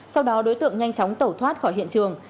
sau đó đối tượng nhanh chóng tẩu thoát khỏi hiện trường